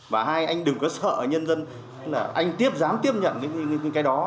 và hai anh đừng có sợ nhân dân là anh tiếp dám tiếp nhận cái đó